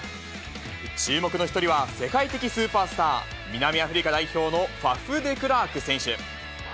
注目の１人は、世界的スーパースター、南アフリカ代表のファフ・デクラーク選手。